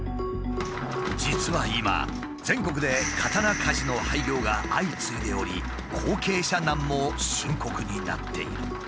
実は今全国で刀鍛冶の廃業が相次いでおり後継者難も深刻になっている。